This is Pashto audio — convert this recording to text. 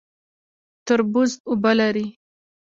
تربوز اوبه لري